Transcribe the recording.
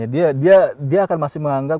dia akan masih menganggap